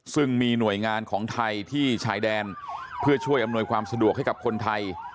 ซึ่งมีหน่วยงานของไทยที่ชายแดนเพื่อช่วยอำนวยความสะดวกให้กับคนไทย